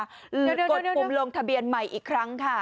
จะกดปุ่มลงทะเบียนใหม่อีกครั้งค่ะ